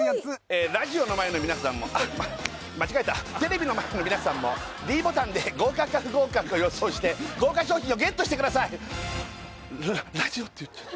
ラジオの前の皆さんもあっ間違えたテレビの前の皆さんもｄボタンで合格か不合格か予想して豪華賞品をＧＥＴしてください「ラジオ」って言っちゃった